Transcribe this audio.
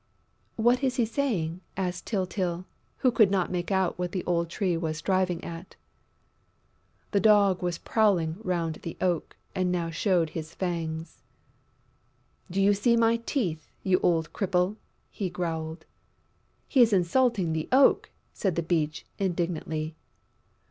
"What is he saying?" asked Tyltyl, who could not make out what the old Tree was driving at. The Dog was prowling round the Oak and now showed his fangs: "Do you see my teeth, you old cripple?" he growled. "He is insulting the Oak!" said the Beech indignantly.